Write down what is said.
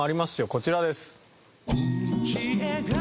こちらです。